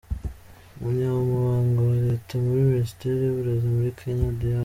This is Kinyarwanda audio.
Umunyamabanga wa Leta muri Minisiteri y’Uburezi muri Kenya, Dr.